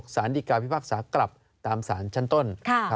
สารดีกาพิพากษากลับตามสารชั้นต้น